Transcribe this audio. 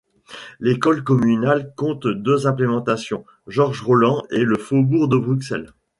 L'école communale compte deux implantations: Georges Roland et le Faubourg de Bruxelles.